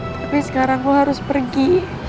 tapi sekarang aku harus pergi